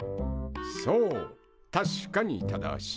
そう確かに正しい。